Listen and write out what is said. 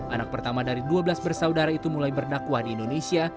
anak pertama dari dua belas bersaudara itu mulai berdakwah di indonesia